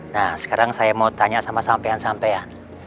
nah sekarang saya mau tanya sama sampean sampean